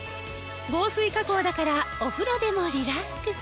防水加工だからお風呂でもリラックス。